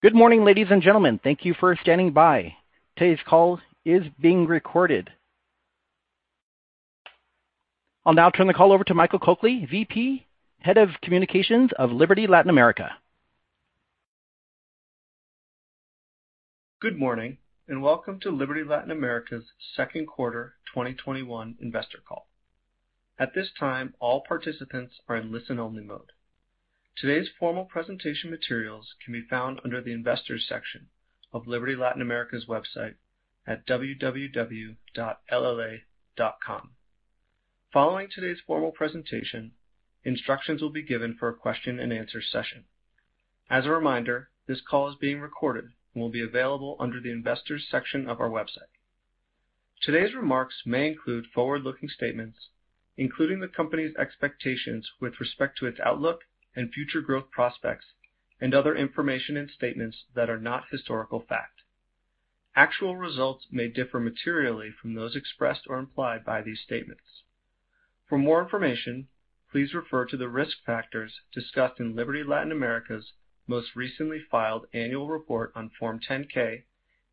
Good morning, ladies and gentlemen. Thank you for standing by. Today's call is being recorded. I'll now turn the call over to Michael Coakley, VP, Head of Communications of Liberty Latin America. Good morning, and welcome to Liberty Latin America's second quarter 2021 investor call. At this time, all participants are in listen-only mode. Today's formal presentation materials can be found under the Investors section of Liberty Latin America's website at www.lla.com. Following today's formal presentation, instructions will be given for a question and answer session. As a reminder, this call is being recorded and will be available under the Investors section of our website. Today's remarks may include forward-looking statements, including the company's expectations with respect to its outlook and future growth prospects, and other information and statements that are not historical fact. Actual results may differ materially from those expressed or implied by these statements. For more information, please refer to the risk factors discussed in Liberty Latin America's most recently filed annual report on Form 10-K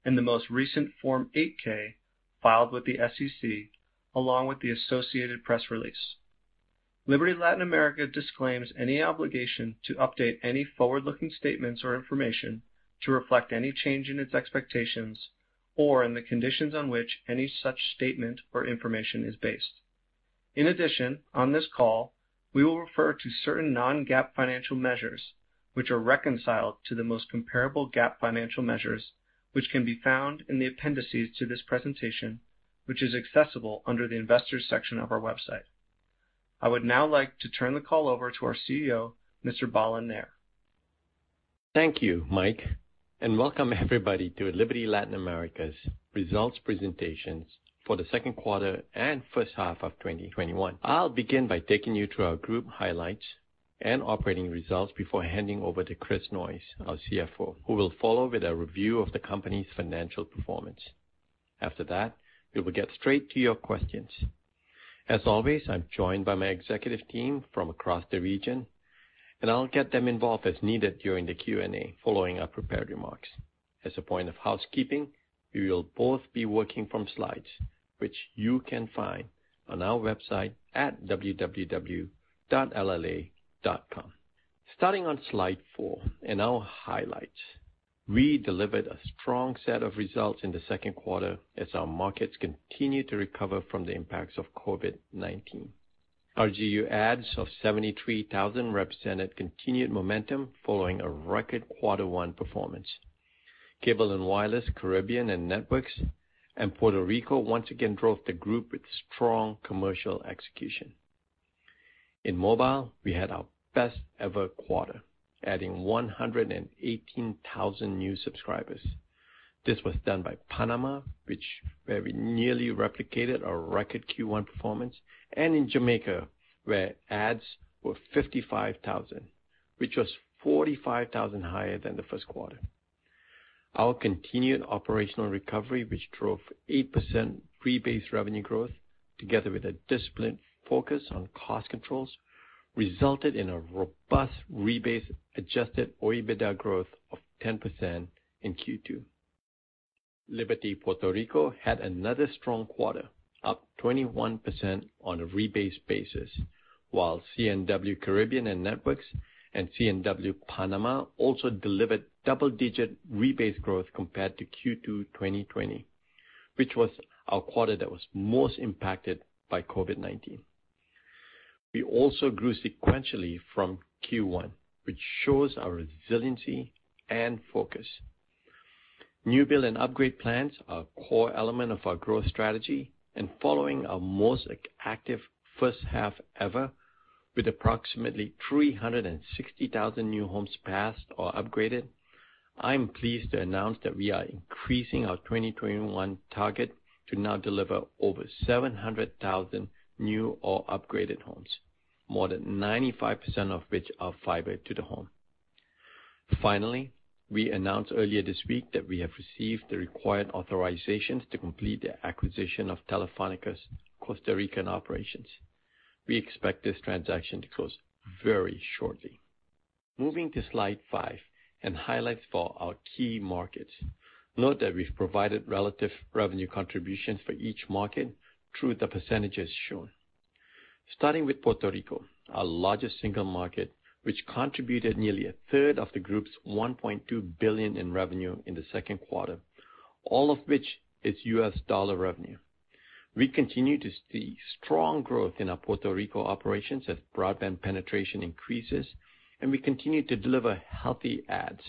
and the most recent Form 8-K filed with the SEC, along with the associated press release. Liberty Latin America disclaims any obligation to update any forward-looking statements or information to reflect any change in its expectations or in the conditions on which any such statement or information is based. In addition, on this call, we will refer to certain non-GAAP financial measures, which are reconciled to the most comparable GAAP financial measures, which can be found in the appendices to this presentation, which is accessible under the Investors section of our website. I would now like to turn the call over to our CEO, Mr. Balan Nair. Thank you, Mike, welcome everybody to Liberty Latin America's results presentations for the second quarter and first half of 2021. I'll begin by taking you through our group highlights and operating results before handing over to Christopher Noyes, our CFO, who will follow with a review of the company's financial performance. After that, we will get straight to your questions. As always, I'm joined by my executive team from across the region, I'll get them involved as needed during the Q&A following our prepared remarks. As a point of housekeeping, we will both be working from slides, which you can find on our website at www.lla.com. Starting on slide four, our highlights. We delivered a strong set of results in the second quarter as our markets continue to recover from the impacts of COVID-19. Our RGU adds of 73,000 represented continued momentum following a record quarter one performance. Cable & Wireless Caribbean and Networks and Puerto Rico once again drove the group with strong commercial execution. In mobile, we had our best ever quarter, adding 118,000 new subscribers. This was done by Panama, where we nearly replicated our record Q1 performance, and in Jamaica, where adds were 55,000, which was 45,000 higher than the first quarter. Our continued operational recovery, which drove 8% rebase revenue growth together with a disciplined focus on cost controls, resulted in a robust rebase adjusted OIBDA growth of 10% in Q2. Liberty Puerto Rico had another strong quarter, up 21% on a rebased basis, while C&W Caribbean and Networks and C&W Panama also delivered double-digit rebased growth compared to Q2 2020, which was our quarter that was most impacted by COVID-19. We also grew sequentially from Q1, which shows our resiliency and focus. New build and upgrade plans are a core element of our growth strategy, and following our most active first half ever, with approximately 360,000 new homes passed or upgraded, I'm pleased to announce that we are increasing our 2021 target to now deliver over 700,000 new or upgraded homes, more than 95% of which are fiber to the home. Finally, we announced earlier this week that we have received the required authorizations to complete the acquisition of Telefónica's Costa Rican operations. We expect this transaction to close very shortly. Moving to slide five and highlights for our key markets. Note that we've provided relative revenue contributions for each market through the percentages shown. Starting with Puerto Rico, our largest single market, which contributed nearly a third of the group's $1.2 billion in revenue in the second quarter, all of which is U.S. dollar revenue. We continue to see strong growth in our Puerto Rico operations as broadband penetration increases, and we continue to deliver healthy adds.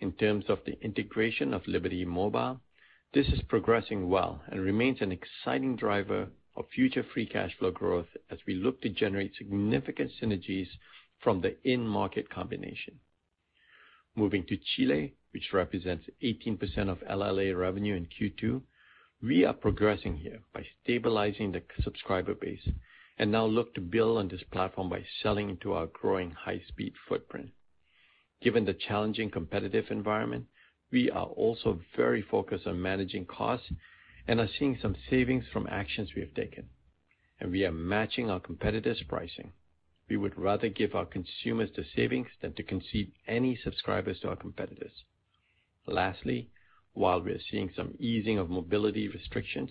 In terms of the integration of Liberty Mobile, this is progressing well and remains an exciting driver of future free cash flow growth as we look to generate significant synergies from the in-market combination. Moving to Chile, which represents 18% of LLA revenue in Q2. We are progressing here by stabilizing the subscriber base and now look to build on this platform by selling into our growing high-speed footprint. Given the challenging competitive environment, we are also very focused on managing costs and are seeing some savings from actions we have taken. We are matching our competitors' pricing. We would rather give our consumers the savings than to concede any subscribers to our competitors. Lastly, while we are seeing some easing of mobility restrictions,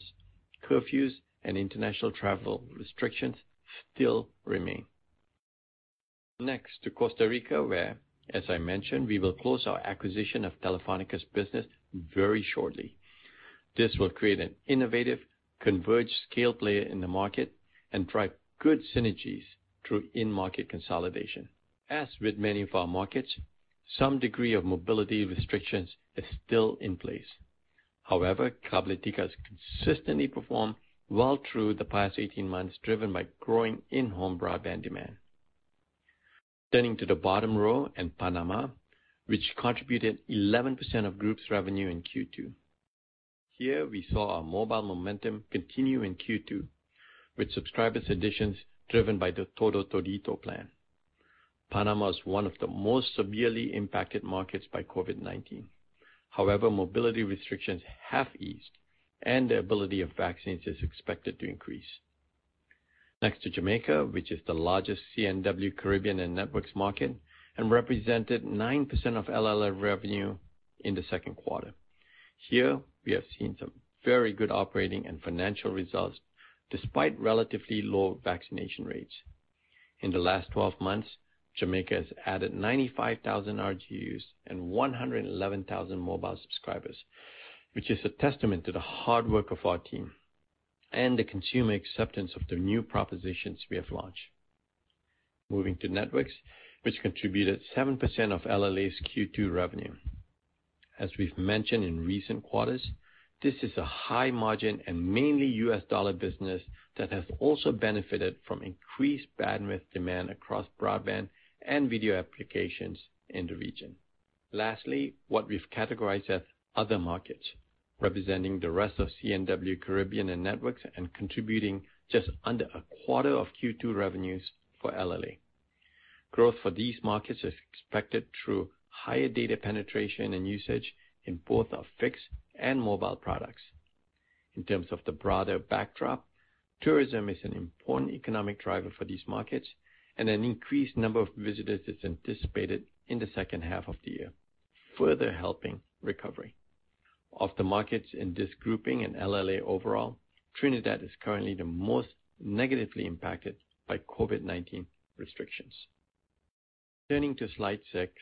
curfews and international travel restrictions still remain. Next to Costa Rica where, as I mentioned, we will close our acquisition of Telefónica's business very shortly. This will create an innovative, converged scale player in the market and drive good synergies through in-market consolidation. As with many of our markets, some degree of mobility restrictions is still in place. However, Cabletica has consistently performed well through the past 18 months, driven by growing in-home broadband demand. Turning to the bottom row and Panama, which contributed 11% of group's revenue in Q2. Here, we saw our mobile momentum continue in Q2, with subscribers additions driven by the Todo Todito plan. Panama is one of the most severely impacted markets by COVID-19. However, mobility restrictions have eased, and the ability of vaccines is expected to increase. Next to Jamaica, which is the largest C&W Caribbean and Networks market and represented 9% of LLA revenue in the second quarter. Here, we have seen some very good operating and financial results despite relatively low vaccination rates. In the last 12 months, Jamaica has added 95,000 RGUs and 111,000 mobile subscribers, which is a testament to the hard work of our team and the consumer acceptance of the new propositions we have launched. Moving to Networks, which contributed 7% of LLA's Q2 revenue. As we've mentioned in recent quarters, this is a high margin and mainly US dollar business that has also benefited from increased bandwidth demand across broadband and video applications in the region. Lastly, what we've categorized as other markets, representing the rest of C&W Caribbean and Networks and contributing just under a quarter of Q2 revenues for LLA. Growth for these markets is expected through higher data penetration and usage in both our fixed and mobile products. In terms of the broader backdrop, tourism is an important economic driver for these markets and an increased number of visitors is anticipated in the second half of the year, further helping recovery. Of the markets in this grouping and LLA overall, Trinidad is currently the most negatively impacted by COVID-19 restrictions. Turning to slide six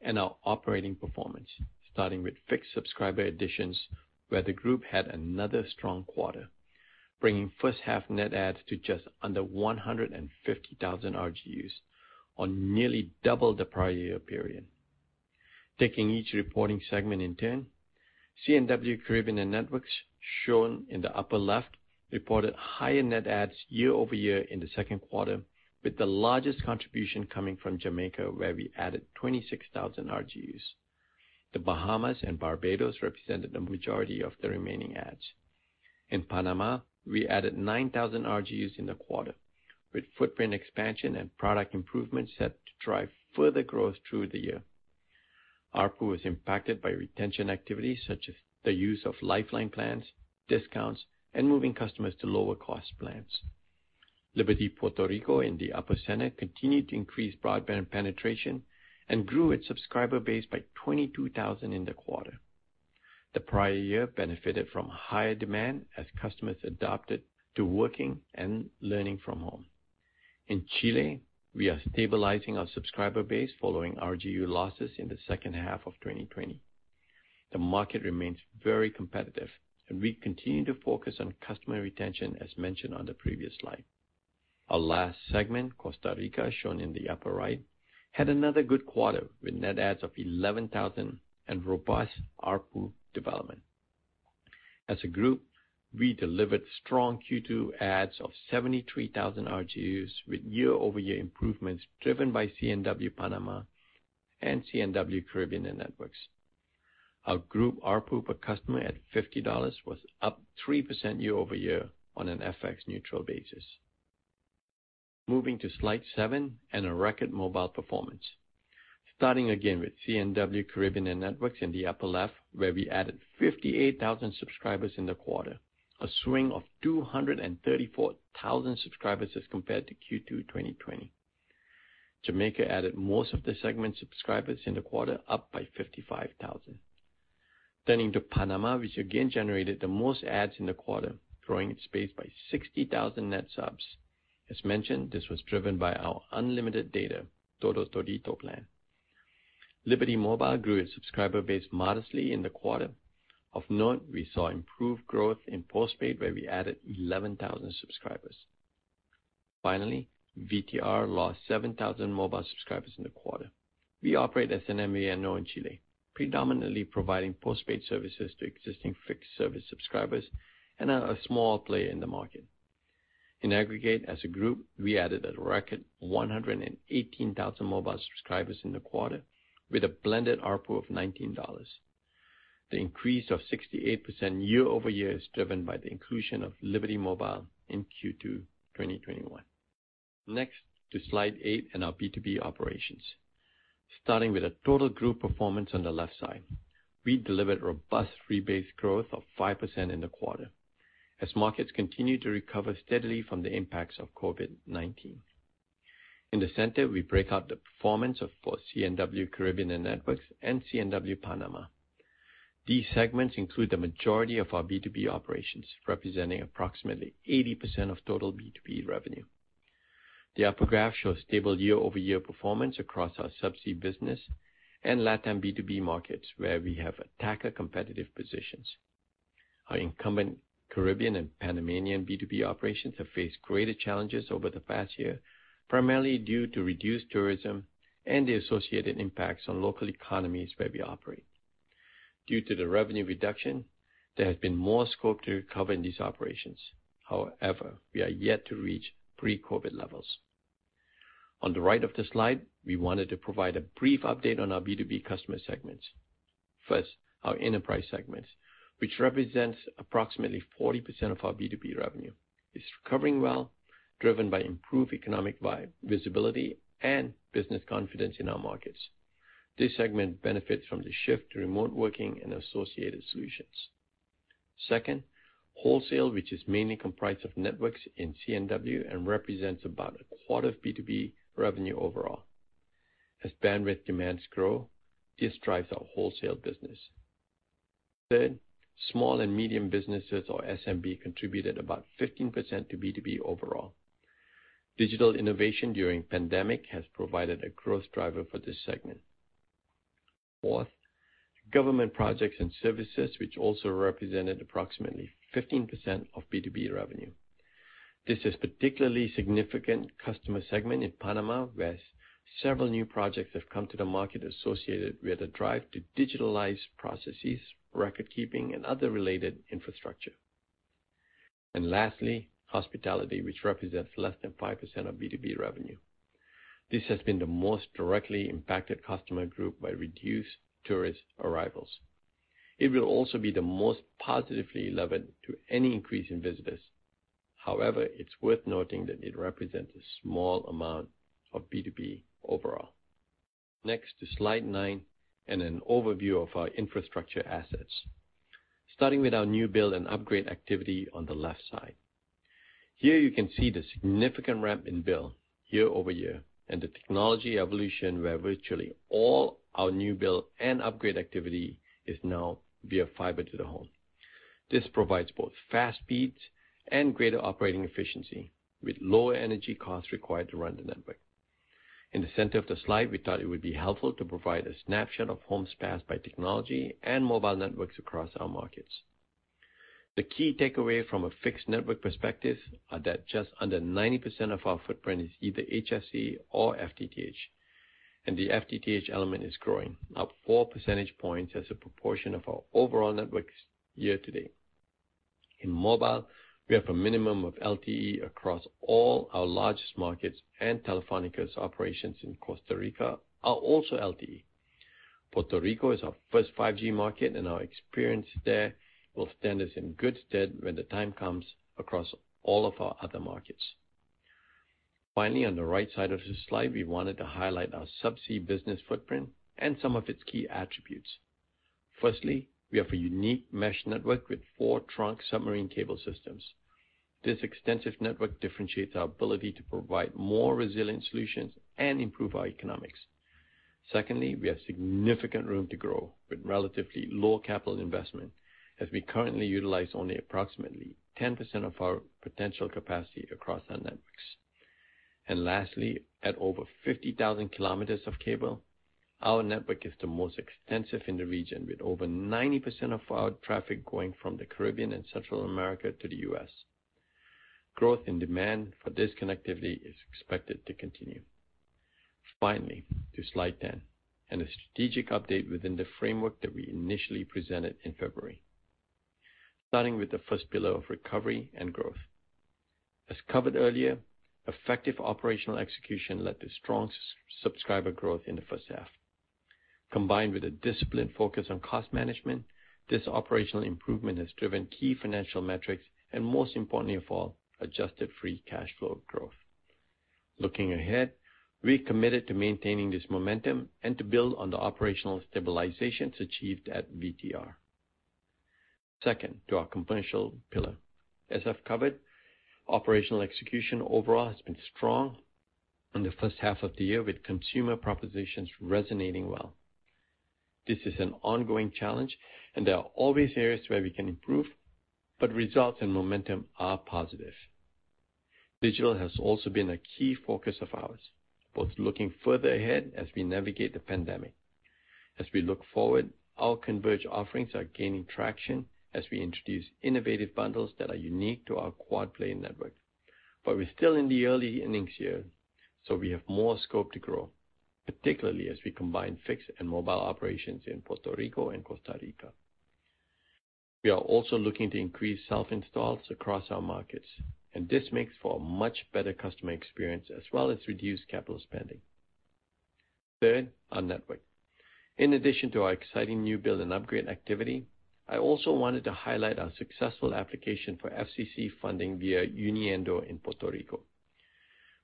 and our operating performance, starting with fixed subscriber additions where the group had another strong quarter, bringing first half net adds to just under 150,000 RGUs on nearly double the prior year period. Taking each reporting segment in turn, C&W Caribbean and Networks shown in the upper left reported higher net adds year-over-year in the second quarter with the largest contribution coming from Jamaica where we added 26,000 RGUs. The Bahamas and Barbados represented the majority of the remaining adds. In Panama, we added 9,000 RGUs in the quarter with footprint expansion and product improvements set to drive further growth through the year. ARPU was impacted by retention activities such as the use of lifeline plans, discounts, and moving customers to lower cost plans. Liberty Puerto Rico in the upper center continued to increase broadband penetration and grew its subscriber base by 22,000 in the quarter. The prior year benefited from higher demand as customers adapted to working and learning from home. In Chile, we are stabilizing our subscriber base following RGU losses in the second half of 2020. The market remains very competitive and we continue to focus on customer retention as mentioned on the previous slide. Our last segment, Costa Rica shown in the upper right, had another good quarter with net adds of 11,000 and robust ARPU development. As a group, we delivered strong Q2 adds of 73,000 RGUs with year-over-year improvements driven by C&W Panama and C&W Caribbean and Networks. Our group ARPU per customer at $50 was up 3% year-over-year on an FX neutral basis. Moving to slide seven and a record mobile performance. Starting again with C&W Caribbean and Networks in the upper left where we added 58,000 subscribers in the quarter, a swing of 234,000 subscribers as compared to Q2 2020. Jamaica added most of the segment subscribers in the quarter up by 55,000. Turning to Panama, which again generated the most adds in the quarter, growing its base by 60,000 net subs. As mentioned, this was driven by our unlimited data Todo Todito plan. Liberty Mobile grew its subscriber base modestly in the quarter. Of note, we saw improved growth in postpaid where we added 11,000 subscribers. Finally, VTR lost 7,000 mobile subscribers in the quarter. We operate as an MVNO in Chile, predominantly providing postpaid services to existing fixed service subscribers and are a small player in the market. In aggregate as a group, we added a record 118,000 mobile subscribers in the quarter with a blended ARPU of $19. The increase of 68% year-over-year is driven by the inclusion of Liberty Mobile in Q2 2021. Next to slide eight and our B2B operations. Starting with the total group performance on the left side. We delivered robust rebase growth of 5% in the quarter as markets continue to recover steadily from the impacts of COVID-19. In the center, we break out the performance for C&W Caribbean and Networks and C&W Panama. These segments include the majority of our B2B operations, representing approximately 80% of total B2B revenue. The upper graph shows stable year-over-year performance across our subsea business and LatAm B2B markets, where we have attacker competitive positions. Our incumbent Caribbean and Panamanian B2B operations have faced greater challenges over the past year, primarily due to reduced tourism and the associated impacts on local economies where we operate. Due to the revenue reduction, there has been more scope to recover in these operations. However, we are yet to reach pre-COVID levels. On the right of the slide, we wanted to provide a brief update on our B2B customer segments. First, our enterprise segments, which represents approximately 40% of our B2B revenue, is recovering well, driven by improved economic visibility and business confidence in our markets. This segment benefits from the shift to remote working and associated solutions. Second, wholesale, which is mainly comprised of networks in C&W and represents about a quarter of B2B revenue overall. As bandwidth demands grow, this drives our wholesale business. Third, small and medium businesses or SMB contributed about 15% to B2B overall. Digital innovation during pandemic has provided a growth driver for this segment. Fourth, government projects and services, which also represented approximately 15% of B2B revenue. This is particularly significant customer segment in Panama, where several new projects have come to the market associated with a drive to digitalize processes, record keeping, and other related infrastructure. Lastly, hospitality, which represents less than 5% of B2B revenue. This has been the most directly impacted customer group by reduced tourist arrivals. It will also be the most positively levered to any increase in visitors. However, it's worth noting that it represents a small amount of B2B overall. Next, to slide nine and an overview of our infrastructure assets. Starting with our new build and upgrade activity on the left side. Here you can see the significant ramp in build year-over-year and the technology evolution where virtually all our new build and upgrade activity is now via Fiber-to-the-Home. This provides both fast speeds and greater operating efficiency with lower energy costs required to run the network. In the center of the slide, we thought it would be helpful to provide a snapshot of homes passed by technology and mobile networks across our markets. The key takeaway from a fixed network perspective are that just under 90% of our footprint is either HFC or FTTH, and the FTTH element is growing up four percentage points as a proportion of our overall networks year to date. In mobile, we have a minimum of LTE across all our largest markets and Telefónica's operations in Costa Rica are also LTE. Puerto Rico is our first 5G market, and our experience there will stand us in good stead when the time comes across all of our other markets. On the right side of this slide, we wanted to highlight our subsea business footprint and some of its key attributes. Firstly, we have a unique mesh network with four trunk submarine cable systems. This extensive network differentiates our ability to provide more resilient solutions and improve our economics. Secondly, we have significant room to grow with relatively low capital investment as we currently utilize only approximately 10% of our potential capacity across our networks. Lastly, at over 50,000 kilometers of cable, our network is the most extensive in the region, with over 90% of our traffic going from the Caribbean and Central America to the U.S. Growth and demand for this connectivity is expected to continue. To slide 10, and a strategic update within the framework that we initially presented in February. Starting with the first pillar of recovery and growth. As covered earlier, effective operational execution led to strong subscriber growth in the first half. Combined with a disciplined focus on cost management, this operational improvement has driven key financial metrics, and most importantly of all, adjusted free cash flow growth. Looking ahead, we're committed to maintaining this momentum and to build on the operational stabilizations achieved at VTR. Second, to our commercial pillar. As I've covered, operational execution overall has been strong in the first half of the year with consumer propositions resonating well. This is an ongoing challenge and there are always areas where we can improve, but results and momentum are positive. Digital has also been a key focus of ours, both looking further ahead as we navigate the pandemic. As we look forward, our converged offerings are gaining traction as we introduce innovative bundles that are unique to our quad play network. We're still in the early innings here, so we have more scope to grow, particularly as we combine fixed and mobile operations in Puerto Rico and Costa Rica. We are also looking to increase self-installs across our markets, and this makes for a much better customer experience as well as reduced capital spending. Third, our network. In addition to our exciting new build and upgrade activity, I also wanted to highlight our successful application for FCC funding via Uniendo a Puerto Rico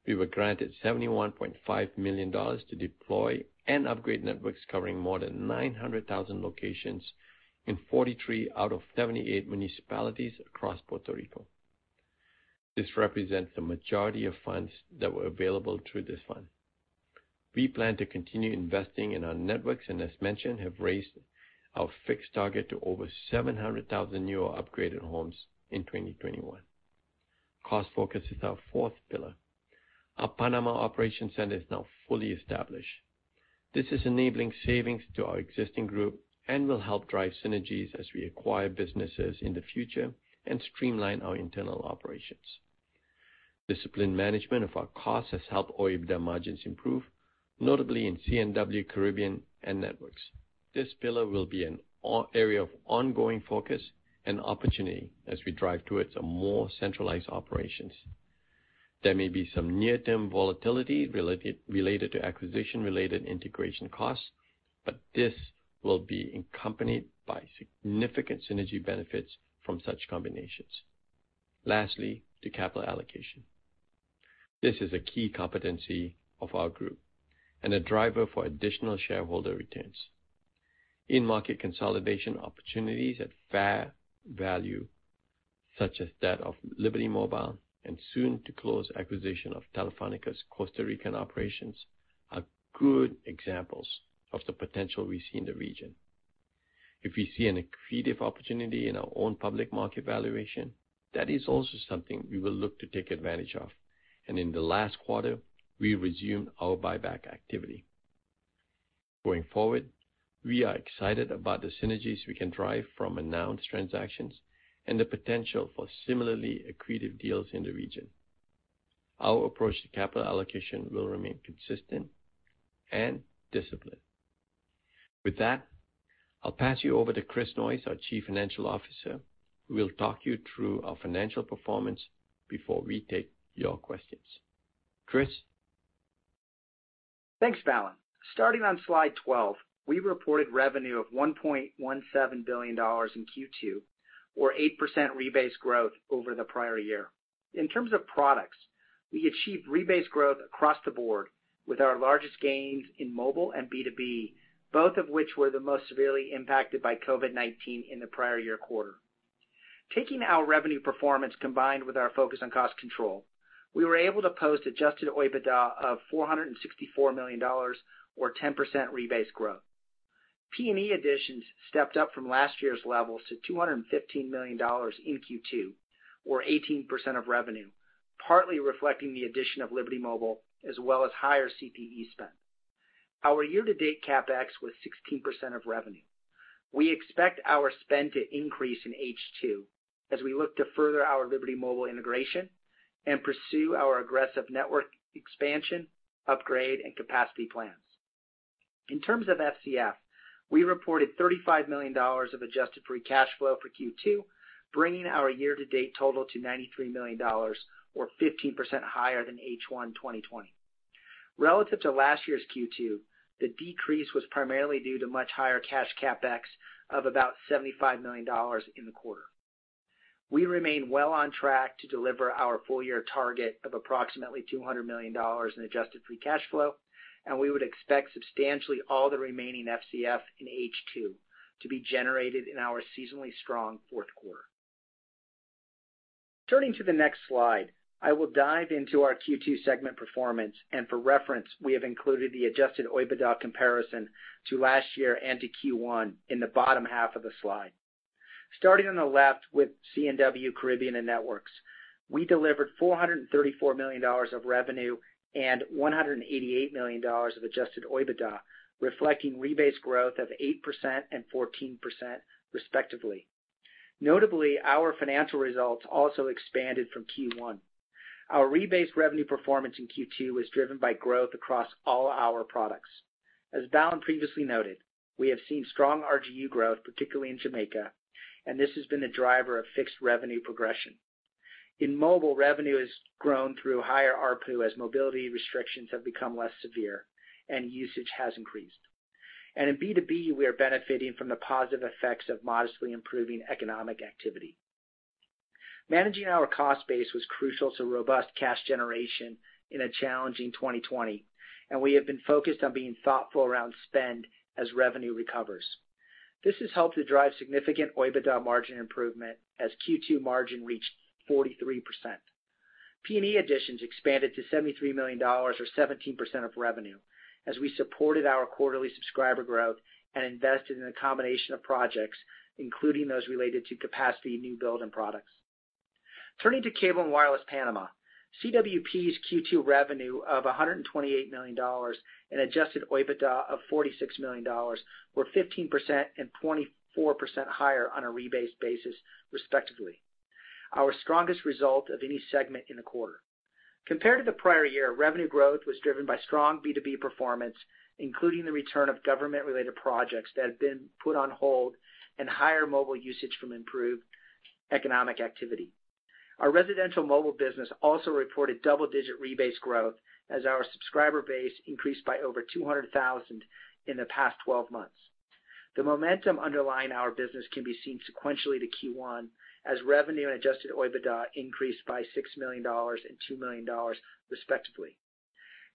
Fund. We were granted $71.5 million to deploy and upgrade networks covering more than 900,000 locations in 43 out of 78 municipalities across Puerto Rico. This represents the majority of funds that were available through this fund. We plan to continue investing in our networks and as mentioned, have raised our fixed target to over 700,000 new or upgraded homes in 2021. Cost focus is our fourth pillar. Our Panama operation center is now fully established. This is enabling savings to our existing group and will help drive synergies as we acquire businesses in the future and streamline our internal operations. Disciplined management of our costs has helped OIBDA margins improve, notably in C&W Caribbean and Networks. This pillar will be an area of ongoing focus and opportunity as we drive towards a more centralized operations. There may be some near-term volatility related to acquisition-related integration costs, but this will be accompanied by significant synergy benefits from such combinations. Lastly, to capital allocation. This is a key competency of our group and a driver for additional shareholder returns. In-market consolidation opportunities at fair value, such as that of Liberty Mobile and soon-to-close acquisition of Telefónica's Costa Rican operations, are good examples of the potential we see in the region. If we see an accretive opportunity in our own public market valuation, that is also something we will look to take advantage of. In the last quarter, we resumed our buyback activity. Going forward, we are excited about the synergies we can drive from announced transactions and the potential for similarly accretive deals in the region. Our approach to capital allocation will remain consistent and disciplined. With that, I'll pass you over to Christopher Noyes, our Chief Financial Officer, who will talk you through our financial performance before we take your questions. Christopher? Thanks, Balan. Starting on slide 12, we reported revenue of $1.17 billion in Q2 or 8% rebased growth over the prior year. In terms of products, we achieved rebased growth across the board with our largest gains in mobile and B2B, both of which were the most severely impacted by COVID-19 in the prior year quarter. Taking our revenue performance combined with our focus on cost control, we were able to post adjusted OIBDA of $464 million or 10% rebased growth. P&E additions stepped up from last year's levels to $215 million in Q2, or 18% of revenue, partly reflecting the addition of Liberty Mobile, as well as higher CPE spend. Our year-to-date CapEx was 16% of revenue. We expect our spend to increase in H2 as we look to further our Liberty Mobile integration and pursue our aggressive network expansion, upgrade, and capacity plans. In terms of FCF, we reported $35 million of adjusted free cash flow for Q2, bringing our year-to-date total to $93 million, or 15% higher than H1 2020. Relative to last year's Q2, the decrease was primarily due to much higher cash CapEx of about $75 million in the quarter. We remain well on track to deliver our full-year target of approximately $200 million in adjusted free cash flow, and we would expect substantially all the remaining FCF in H2 to be generated in our seasonally strong fourth quarter. Turning to the next slide, I will dive into our Q2 segment performance, and for reference, we have included the adjusted OIBDA comparison to last year and to Q1 in the bottom half of the slide. Starting on the left with C&W Caribbean and Networks, we delivered $434 million of revenue and $188 million of adjusted OIBDA, reflecting rebased growth of 8% and 14% respectively. Notably, our financial results also expanded from Q1. Our rebased revenue performance in Q2 was driven by growth across all our products. As Balan previously noted, we have seen strong RGU growth, particularly in Jamaica. This has been a driver of fixed revenue progression. In mobile, revenue has grown through higher ARPU as mobility restrictions have become less severe and usage has increased. In B2B, we are benefiting from the positive effects of modestly improving economic activity. Managing our cost base was crucial to robust cash generation in a challenging 2020. We have been focused on being thoughtful around spend as revenue recovers. This has helped to drive significant OIBDA margin improvement as Q2 margin reached 43%. P&E additions expanded to $73 million, or 17% of revenue, as we supported our quarterly subscriber growth and invested in a combination of projects, including those related to capacity, new build, and products. Turning to Cable & Wireless Panama, CWP's Q2 revenue of $128 million and adjusted OIBDA of $46 million were 15% and 24% higher on a rebased basis, respectively, our strongest result of any segment in the quarter. Compared to the prior year, revenue growth was driven by strong B2B performance, including the return of government-related projects that had been put on hold and higher mobile usage from improved economic activity. Our residential mobile business also reported double-digit rebase growth as our subscriber base increased by over 200,000 in the past 12 months. The momentum underlying our business can be seen sequentially to Q1, as revenue and adjusted OIBDA increased by $6 million and $2 million respectively.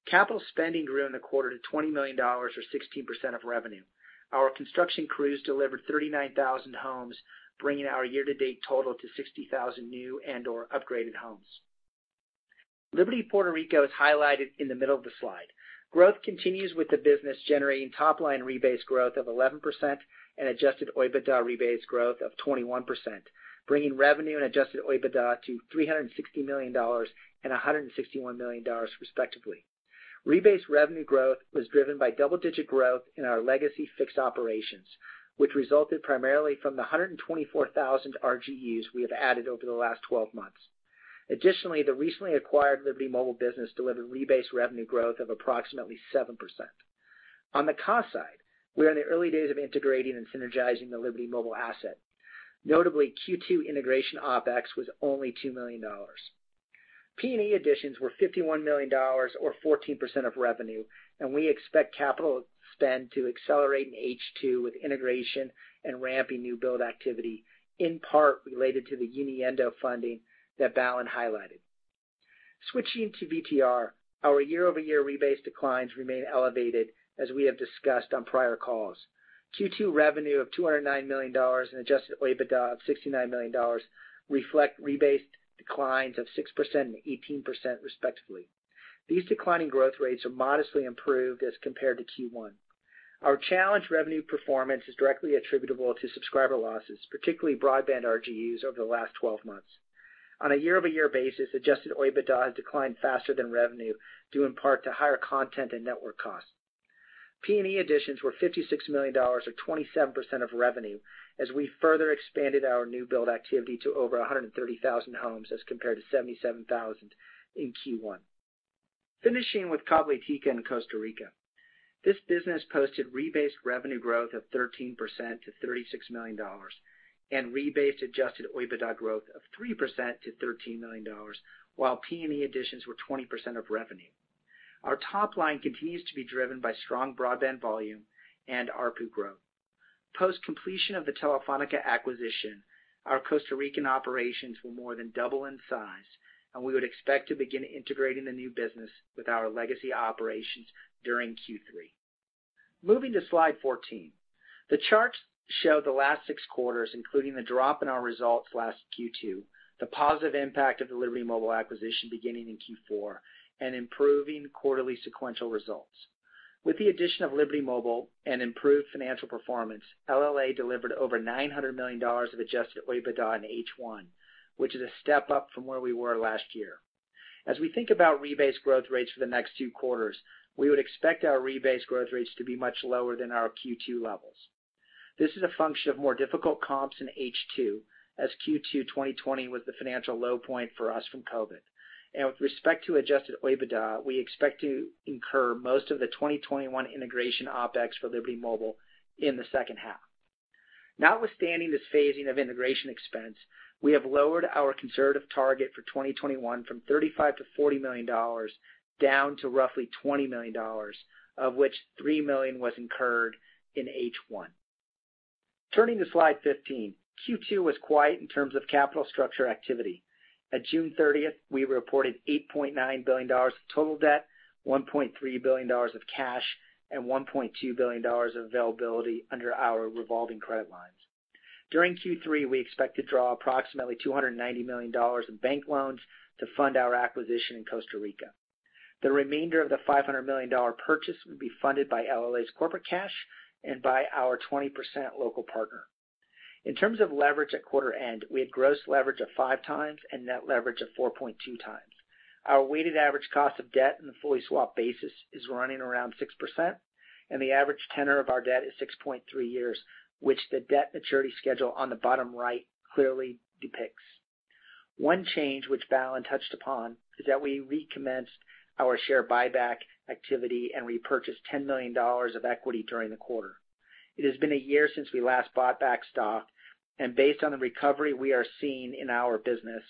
Capital spending grew in the quarter to $20 million or 16% of revenue. Our construction crews delivered 39,000 homes, bringing our year to date total to 60,000 new and/or upgraded homes. Liberty Puerto Rico is highlighted in the middle of the slide. Growth continues with the business generating top line rebase growth of 11% and adjusted OIBDA rebase growth of 21%, bringing revenue and adjusted OIBDA to $360 million and $161 million respectively. Rebase revenue growth was driven by double-digit growth in our legacy fixed operations, which resulted primarily from the 124,000 RGUs we have added over the last 12 months. Additionally, the recently acquired Liberty Mobile business delivered rebase revenue growth of approximately 7%. On the cost side, we are in the early days of integrating and synergizing the Liberty Mobile asset. Notably, Q2 integration OpEx was only $2 million. P&E additions were $51 million or 14% of revenue, and we expect capital spend to accelerate in H2 with integration and ramping new build activity, in part related to the Uniendo funding that Balan highlighted. Switching to VTR, our year-over-year rebase declines remain elevated, as we have discussed on prior calls. Q2 revenue of $209 million and adjusted OIBDA of $69 million reflect rebased declines of 6% and 18% respectively. These declining growth rates are modestly improved as compared to Q1. Our challenged revenue performance is directly attributable to subscriber losses, particularly broadband RGUs over the last 12 months. On a year-over-year basis, adjusted OIBDA has declined faster than revenue, due in part to higher content and network costs. P&E additions were $56 million or 27% of revenue as we further expanded our new build activity to over 130,000 homes as compared to 77,000 in Q1. Finishing with Cabletica in Costa Rica. This business posted rebased revenue growth of 13% to $36 million and rebased adjusted OIBDA growth of 3% to $13 million while P&E additions were 20% of revenue. Our top line continues to be driven by strong broadband volume and ARPU growth. Post completion of the Telefónica acquisition, our Costa Rican operations will more than double in size and we would expect to begin integrating the new business with our legacy operations during Q3. Moving to slide 14. The charts show the last six quarters, including the drop in our results last Q2, the positive impact of the Liberty Mobile acquisition beginning in Q4, and improving quarterly sequential results. With the addition of Liberty Mobile and improved financial performance, LLA delivered over $900 million of adjusted OIBDA in H1, which is a step up from where we were last year. As we think about rebase growth rates for the next two quarters, we would expect our rebase growth rates to be much lower than our Q2 levels. This is a function of more difficult comps in H2, as Q2 2020 was the financial low point for us from COVID-19. With respect to adjusted OIBDA, we expect to incur most of the 2021 integration OpEx for Liberty Mobile in the second half. Notwithstanding this phasing of integration expense, we have lowered our conservative target for 2021 from $35 million-$40 million down to roughly $20 million, of which $3 million was incurred in H1. Turning to slide 15. Q2 was quiet in terms of capital structure activity. At June 30th, we reported $8.9 billion of total debt, $1.3 billion of cash, and $1.2 billion of availability under our revolving credit lines. During Q3, we expect to draw approximately $290 million in bank loans to fund our acquisition in Costa Rica. The remainder of the $500 million purchase will be funded by LLA's corporate cash and by our 20% local partner. In terms of leverage at quarter end, we had gross leverage of 5 times and net leverage of 4.2 times. The average tenor of our debt is 6.3 years, which the debt maturity schedule on the bottom-right clearly depicts. One change which Balan touched upon is that we recommenced our share buyback activity and repurchased $10 million of equity during the quarter. It has been a year since we last bought back stock. Based on the recovery we are seeing in our business,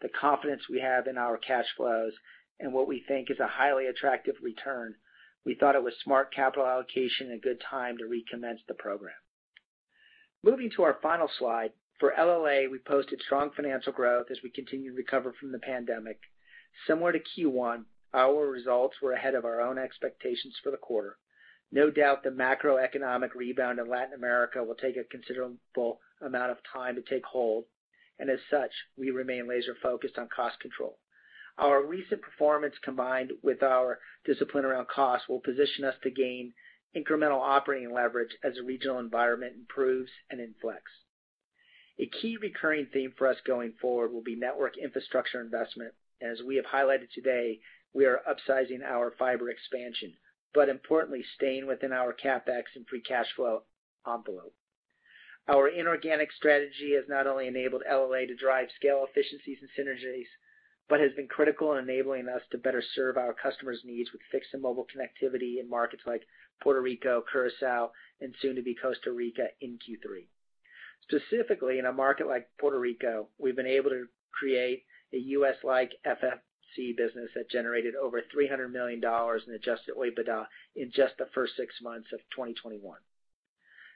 the confidence we have in our cash flows, and what we think is a highly attractive return, we thought it was smart capital allocation and good time to recommence the program. Moving to our final slide. For LLA, we posted strong financial growth as we continue to recover from the pandemic. Similar to Q1, our results were ahead of our own expectations for the quarter. No doubt the macroeconomic rebound in Latin America will take a considerable amount of time to take hold, and as such, we remain laser focused on cost control. Our recent performance combined with our discipline around cost will position us to gain incremental operating leverage as the regional environment improves and inflects. A key recurring theme for us going forward will be network infrastructure investment. As we have highlighted today, we are upsizing our fiber expansion, but importantly staying within our CapEx and free cash flow envelope. Our inorganic strategy has not only enabled LLA to drive scale efficiencies and synergies. Has been critical in enabling us to better serve our customers' needs with fixed and mobile connectivity in markets like Puerto Rico, Curaçao, and soon to be Costa Rica in Q3. Specifically, in a market like Puerto Rico, we've been able to create a U.S.-like FMC business that generated over $300 million in adjusted EBITDA in just the first six months of 2021.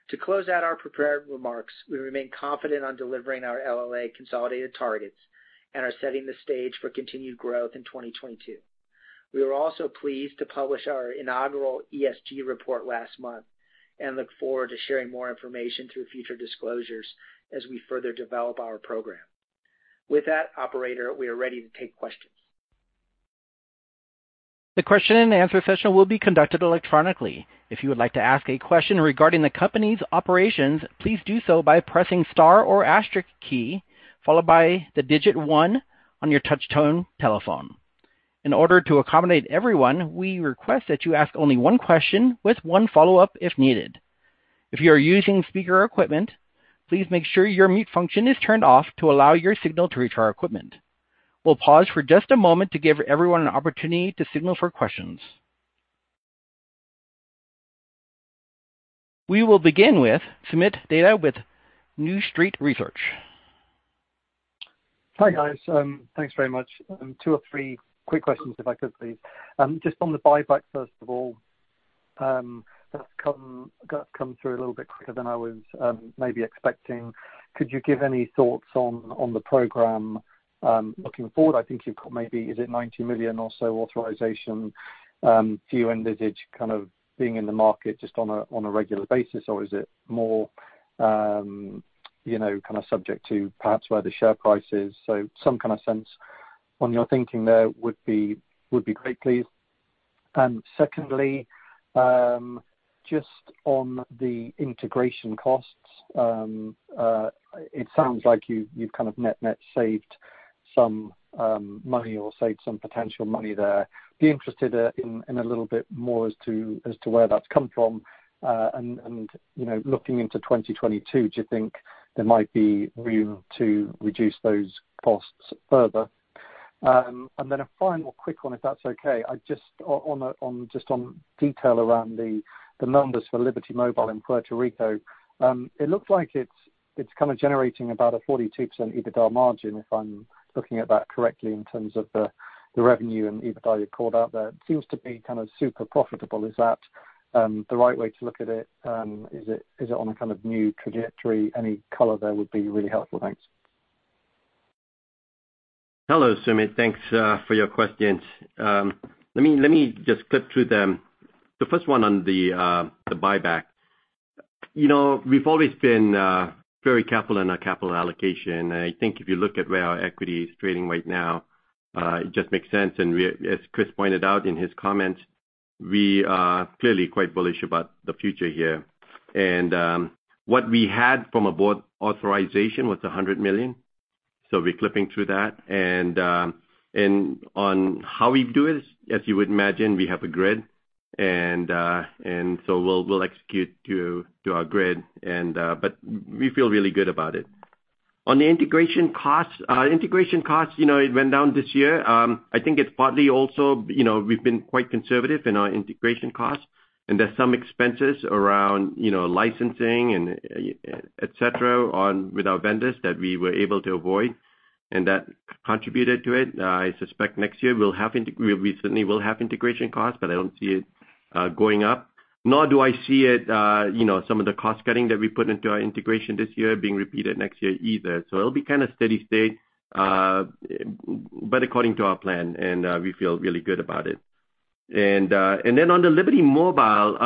To close out our prepared remarks, we remain confident on delivering our LLA consolidated targets and are setting the stage for continued growth in 2022. We were also pleased to publish our inaugural ESG report last month and look forward to sharing more information through future disclosures as we further develop our program. With that, operator, we are ready to take questions. The question and answer session will be conducted electronically. If you would like to ask a question regarding the company's operations, please do so by pressing star or asterisk key, followed by the digit one on your touch tone telephone. In order to accommodate everyone, we request that you ask only one question with one follow-up if needed. If you are using speaker equipment, please make sure your mute function is turned off to allow your signal to reach our equipment. We will pause for just a moment to give everyone an opportunity to signal for questions. We will begin with Soomit Datta with New Street Research. Hi, guys. Thanks very much. two or three quick questions if I could please. Just on the buyback, first of all, that's come through a little bit quicker than I was maybe expecting. Could you give any thoughts on the program looking forward? I think you've got maybe, is it $90 million or so authorization? Do you envisage being in the market just on a regular basis, or is it more subject to perhaps where the share price is? Some sense on your thinking there would be great, please. Secondly, just on the integration costs. It sounds like you've net saved some money or saved some potential money there. Be interested in a little bit more as to where that's come from. Looking into 2022, do you think there might be room to reduce those costs further? A final quick one if that's okay. Just on detail around the numbers for Liberty Mobile in Puerto Rico. It looks like it's generating about a 42% EBITDA margin if I'm looking at that correctly in terms of the revenue and EBITDA you called out there. It seems to be super profitable. Is that the right way to look at it? Is it on a new trajectory? Any color there would be really helpful. Thanks. Hello, Soomit. Thanks for your questions. Let me just clip through them. The first one on the buyback. We've always been very careful in our capital allocation, and I think if you look at where our equity is trading right now, it just makes sense. As Christopher Noyes pointed out in his comments, we are clearly quite bullish about the future here. What we had from a board authorization was $100 million. We're clipping through that. On how we do it, as you would imagine, we have a grid. We'll execute to our grid, but we feel really good about it. On the integration costs, it went down this year. I think it's partly also we've been quite conservative in our integration costs, and there's some expenses around licensing and et cetera with our vendors that we were able to avoid, and that contributed to it. I suspect next year we certainly will have integration costs, but I don't see it going up, nor do I see some of the cost cutting that we put into our integration this year being repeated next year either. It'll be steady state, but according to our plan, and we feel really good about it. On the Liberty Mobile,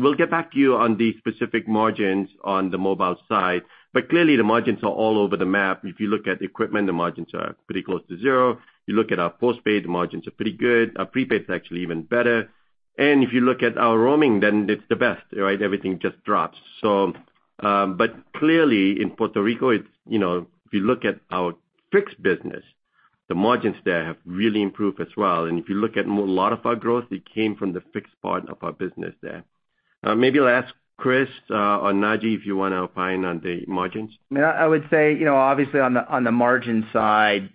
we'll get back to you on the specific margins on the mobile side. Clearly, the margins are all over the map. If you look at equipment, the margins are pretty close to zero. You look at our postpaid, the margins are pretty good. Our prepaid is actually even better. If you look at our roaming, then it's the best, right? Everything just drops. Clearly in Puerto Rico, if you look at our fixed business, the margins there have really improved as well. If you look at a lot of our growth, it came from the fixed part of our business there. Maybe I'll ask Chris or Naji Khoury if you want to opine on the margins. Yeah, I would say, obviously on the margin side,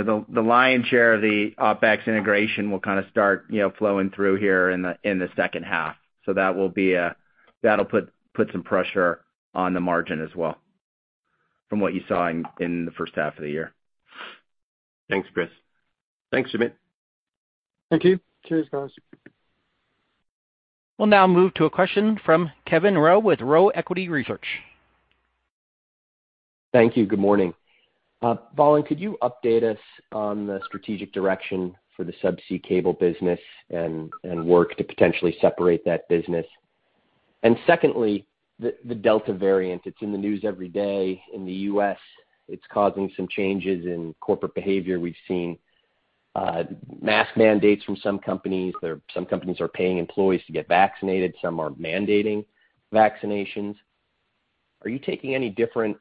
the lion's share of the OpEx integration will start flowing through here in the second half. That'll put some pressure on the margin as well from what you saw in the first half of the year. Thanks, Chris. Thanks, Soomit. Thank you. Cheers, guys. We'll now move to a question from Kevin Roe with Roe Equity Research. Thank you. Good morning. Balan, could you update us on the strategic direction for the subsea cable business and work to potentially separate that business? Secondly, the Delta variant, it's in the news every day in the U.S. It's causing some changes in corporate behavior. We've seen mask mandates from some companies. Some companies are paying employees to get vaccinated. Some are mandating vaccinations. Are you taking any different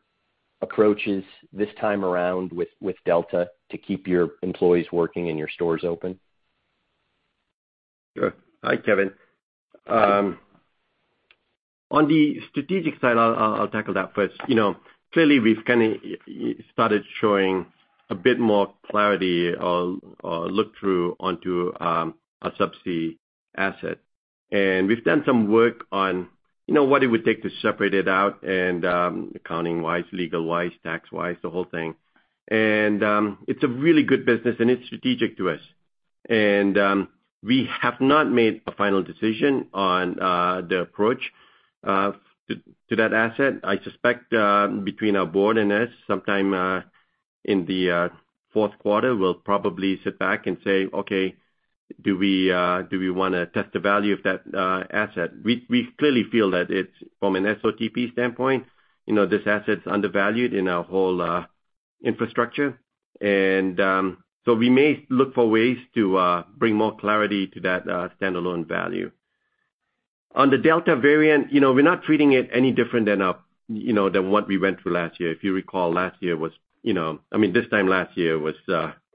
approaches this time around with Delta to keep your employees working and your stores open? Sure. Hi, Kevin. On the strategic side, I'll tackle that first. Clearly, we've started showing a bit more clarity or look-through onto our subsea asset. We've done some work on what it would take to separate it out, accounting-wise, legal-wise, tax-wise, the whole thing. It's a really good business, and it's strategic to us. We have not made a final decision on the approach to that asset. I suspect between our board and us, sometime in the fourth quarter, we'll probably sit back and say, "Okay, do we want to test the value of that asset?" We clearly feel that from an SOTP standpoint, this asset's undervalued in our whole infrastructure. We may look for ways to bring more clarity to that standalone value. On the Delta variant, we're not treating it any different than what we went through last year. If you recall, last year was, I mean, this time last year was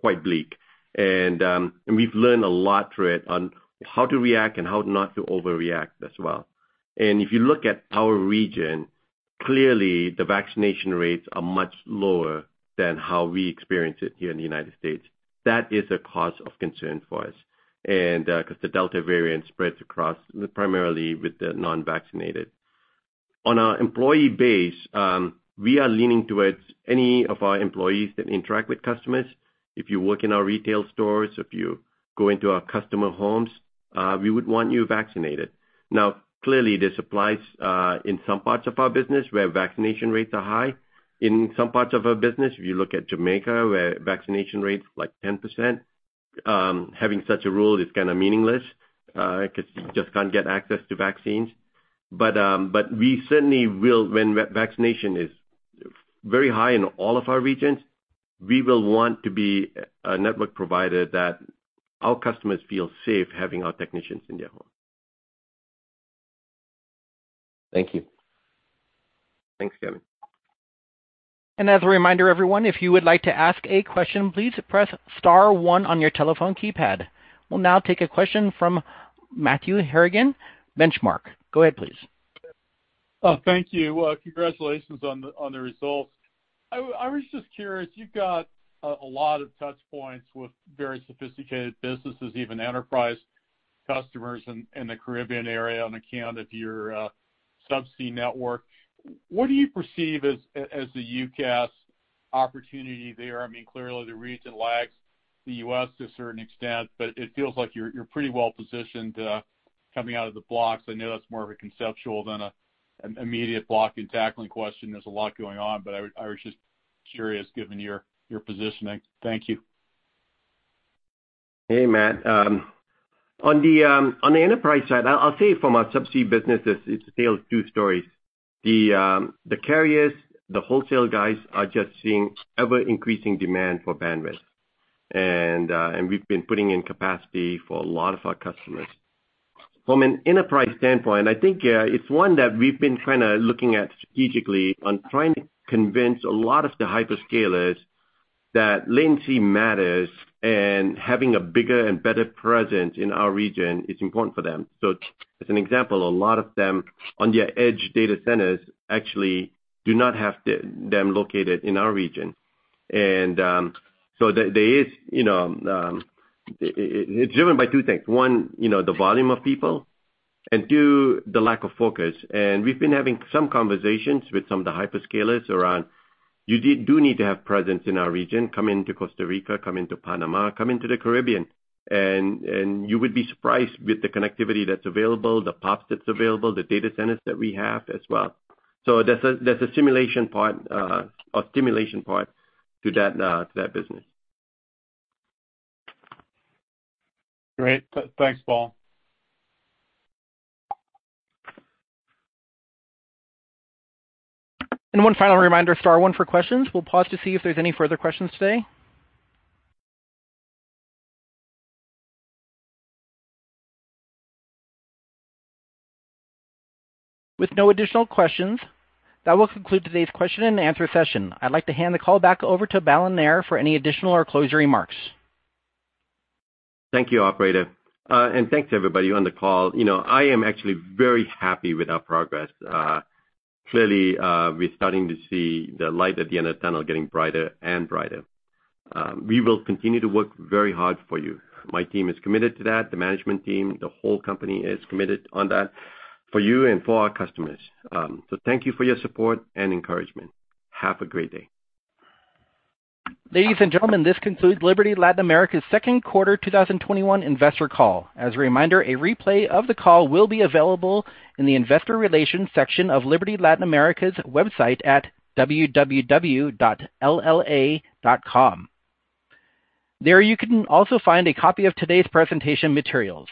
quite bleak. We've learned a lot through it on how to react and how not to overreact as well. If you look at our region, clearly the vaccination rates are much lower than how we experience it here in the United States. That is a cause of concern for us, and because the Delta variant spreads across primarily with the non-vaccinated. On our employee base, we are leaning towards any of our employees that interact with customers. If you work in our retail stores, if you go into our customer homes, we would want you vaccinated. Clearly, this applies in some parts of our business where vaccination rates are high. In some parts of our business, if you look at Jamaica, where vaccination rates like 10%, having such a rule is kind of meaningless, because you just can't get access to vaccines. We certainly will, when vaccination is very high in all of our regions, we will want to be a network provider that our customers feel safe having our technicians in their home. Thank you. Thanks, Kevin. As a reminder, everyone, if you would like to ask a question, please press star one on your telephone keypad. We'll now take a question from Matthew Harrigan, Benchmark. Go ahead, please. Oh, thank you. Congratulations on the results. I was just curious, you've got a lot of touchpoints with very sophisticated businesses, even enterprise customers in the Caribbean area on account of your subsea network. What do you perceive as the UCaaS opportunity there? Clearly the region lags the U.S. to a certain extent, but it feels like you're pretty well positioned coming out of the blocks. I know that's more of a conceptual than an immediate block and tackling question. There's a lot going on, but I was just curious given your positioning. Thank you. Hey, Matt. On the enterprise side, I'll say from our subsea business, it's still two stories. The carriers, the wholesale guys, are just seeing ever-increasing demand for bandwidth. We've been putting in capacity for a lot of our customers. From an enterprise standpoint, I think it's one that we've been looking at strategically on trying to convince a lot of the hyperscalers that latency matters and having a bigger and better presence in our region is important for them. As an example, a lot of them on their edge data centers actually do not have them located in our region. It's driven by two things. One, the volume of people, and two, the lack of focus. We've been having some conversations with some of the hyperscalers around, you do need to have presence in our region. Come into Costa Rica, come into Panama, come into the Caribbean. You would be surprised with the connectivity that's available, the PoPs that's available, the data centers that we have as well. There's a simulation part or stimulation part to that business. Great. Thanks, Bal. One final reminder, star one for questions. We'll pause to see if there's any further questions today. With no additional questions, that will conclude today's question and answer session. I'd like to hand the call back over to Balan Nair for any additional or closure remarks. Thank you, operator. Thanks everybody on the call. I am actually very happy with our progress. Clearly, we're starting to see the light at the end of the tunnel getting brighter and brighter. We will continue to work very hard for you. My team is committed to that. The management team, the whole company is committed on that for you and for our customers. Thank you for your support and encouragement. Have a great day. Ladies and gentlemen, this concludes Liberty Latin America's second quarter 2021 investor call. As a reminder, a replay of the call will be available in the investor relations section of Liberty Latin America's website at www.lla.com. There you can also find a copy of today's presentation materials.